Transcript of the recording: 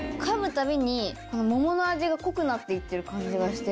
たびに桃の味が濃くなっていってる感じがして。